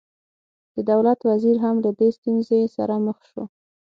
د دولت وزیر هم له دې ستونزې سره مخ شو.